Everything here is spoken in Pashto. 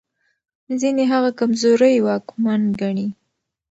ځينې هغه کمزوری واکمن ګڼي.